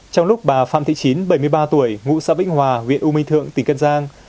trong lúc bà phạm thị chín bảy mươi ba tuổi ngụ xã vĩnh hòa huyện u minh thượng tỉnh kiên giang